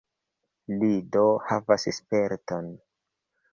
Li, do, havas sperton.